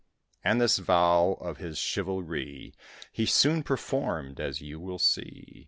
And this vow of his chivalry He soon performed, as you will see.